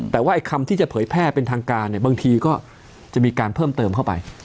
แต่ว่าไอ้คำที่จะเผยแพร่เป็นทางการเนี่ยบางทีก็จะมีการเพิ่มเติมเข้าไป